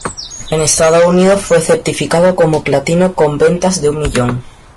En Estados Unidos fue certificado como platino con ventas de un millón.